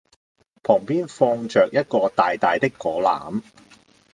旁邊放著一個大大的果籃